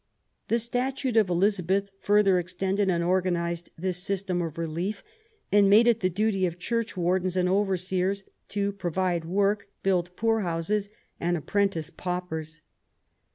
The statute of Elizabeth further extended and organized this system of relief, and made it the duty of church wardens and overseers to "provide work, build poor houses, and apprentice paupers."